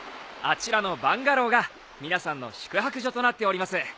あちらのバンガローが皆さんの宿泊所となっております。